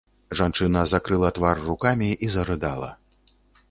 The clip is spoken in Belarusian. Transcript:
Жанчына закрыла твар рукамі і зарыдала.